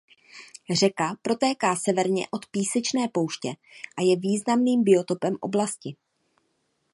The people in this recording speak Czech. Řeka protéká severně od písečné pouště a je významným biotopem oblasti.